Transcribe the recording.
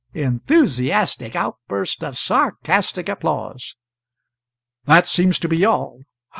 [Enthusiastic outburst of sarcastic applause.] That seems to be all.